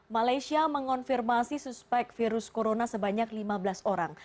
malaysia mengonfirmasi suspek virus corona sebanyak lima belas orang